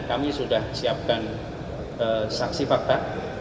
kami sudah siapkan saksi fakta